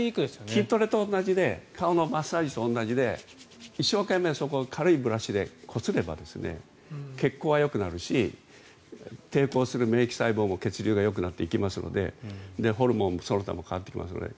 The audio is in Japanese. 筋トレと同じで顔のマッサージと一緒で一生懸命、そこを軽いブラシでこすれば血行はよくなるし抵抗する免疫細胞も血流がよくなっていきますのでホルモン、その他も変わってきますので。